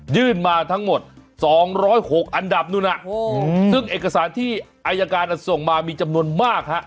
ยื่นมาทั้งหมด๒๐๖อันดับนู้นซึ่งเอกสารที่อายการส่งมามีจำนวนมากฮะ